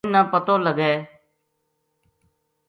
ان نا پتو لگوے